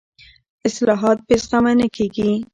اصلاحات بې زغمه نه کېږي